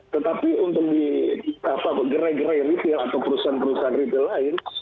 tetapi untuk di gerai gerai retail atau perusahaan perusahaan retail lain